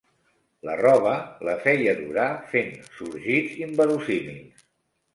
La roba la feia durar fent sorgits inverossímils